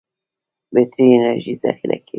بټري انرژي ذخیره کوي.